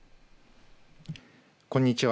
こんにちは。